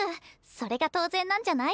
それが当然なんじゃない？